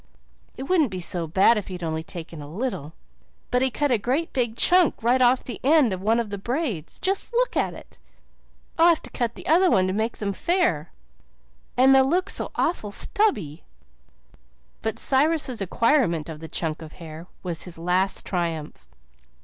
It wouldn't be so bad if he'd only taken a little, but he cut a great big chunk right off the end of one of the braids. Just look at it. I'll have to cut the other to make them fair and they'll look so awful stubby." But Cyrus' acquirement of the chunk of hair was his last triumph.